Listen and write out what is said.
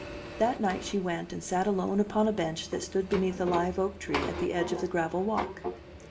That night she went and sat alone upon a bench that stood beneath a live oak tree at the edge of the gravel walk.